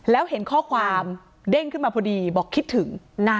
แล้วเห็นข้อความเด้งขึ้นมาพอดีบอกคิดถึง